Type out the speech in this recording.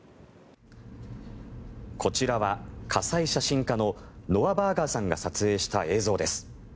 こちらは火災写真家のノア・バーガーさんが撮影した映像です。